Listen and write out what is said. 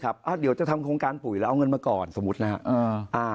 เดี๋ยวจะทำโครงการปุ๋ยแล้วเอาเงินมาก่อนสมมุตินะครับ